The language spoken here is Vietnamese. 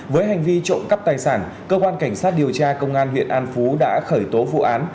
với hành vi trộm cắp tài sản cơ quan cảnh sát điều tra công an huyện an phú đã khởi tố vụ án